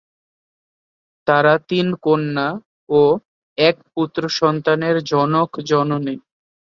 তারা তিন কন্যা ও এক পুত্র সন্তানের জনক-জননী।